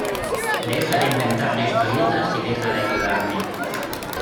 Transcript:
deja de inventarte historietas y deja de ayudarme.